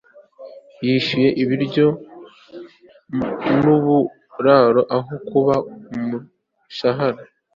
yishyuye ibiryo nuburaro aho kuba umushahara